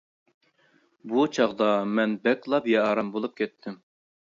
بۇ چاغدا مەن بەكلا بىئارام بولۇپ كەتتىم.